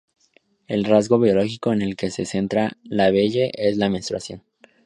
El rasgo biológico en el que se centra La Belle es la menstruación.